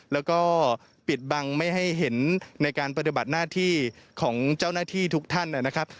แล้วก็ปิดบังไม่ให้เห็นในการปฏิบัติหน้าที่ของเจ้าหน้าที่ทุกท่านนะครับ